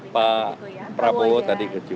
pak prabowo tadi ke cks